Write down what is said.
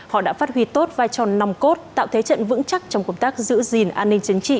họ đã phát huy tốt vai tròn năm cốt tạo thế trận vững chắc trong công tác giữ gìn an ninh chấn trị